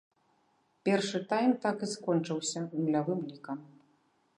Першы тайм так і скончыўся нулявым лікам.